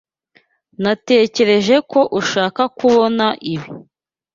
Natekereje ko ushaka kubona ibi.